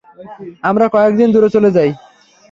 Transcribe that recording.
আমরা কয়েকদিন দূরে চলে যাই?